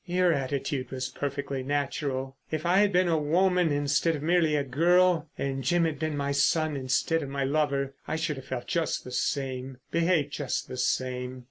Your attitude was perfectly natural. If I had been a woman instead of merely a girl and Jim had been my son instead of my lover I should have felt just the same, behaved just the same.